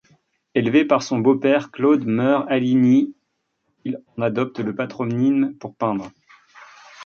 Élevé par son beau-père Claude Meure-Aligny, il en adopte le patronyme pour peindre.